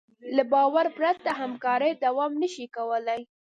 له باور پرته همکاري دوام نهشي کولی.